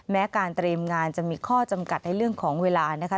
แม้การเตรียมงานจะมีข้อจำกัดในเรื่องของเวลานะคะ